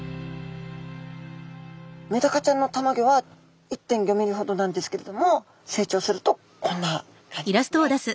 メダカちゃんのたまギョは１．５ｍｍほどなんですけれども成長するとこんな感じですね。